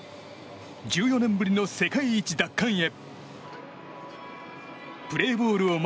１４年ぶりの世界一奪還へ。